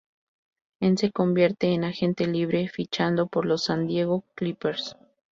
En se convierte en agente libre, fichando por los San Diego Clippers.